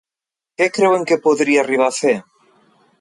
Què creuen que podria arribar a fer?